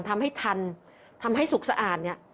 ทำให้ทันทำให้สุขสะอาดเนี่ย